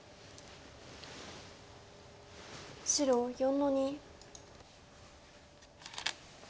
白４の二。